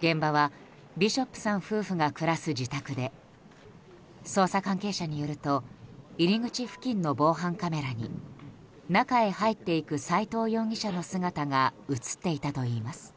現場はビショップさん夫婦が暮らす自宅で捜査関係者によると入り口付近の防犯カメラに中へ入っていく斎藤容疑者の姿が映っていたといいます。